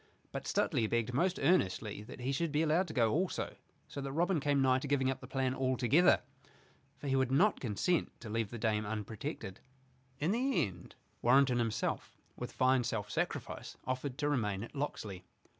But Stuteley begged most earnestly that he should be allowed to go also, so that Robin came nigh to giving up the plan all together. For he would not consent to leave the dame unprotected. In the end Warrenton himself, with fine self sacrifice, offered to remain at Locksley.